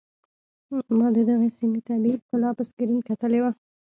ما د دغې سيمې طبيعي ښکلا په سکرين کتلې وه.